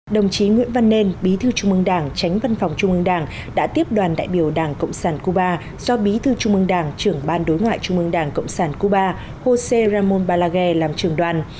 đồng chí nguyễn văn nên bí thư trung mương đảng tránh văn phòng trung mương đảng đã tiếp đoàn đại biểu đảng cộng sản cuba do bí thư trung mương đảng trưởng ban đối ngoại trung mương đảng cộng sản cuba josé ramón balaguer làm trường đoàn